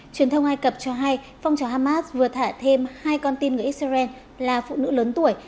truyền thông ai cập cho hay phong trào hamas vừa thả thêm hai con tin người israel là phụ nữ lớn tuổi